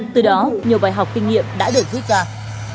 từ đó nhiều bài học kinh nghiệm đã được chú trọng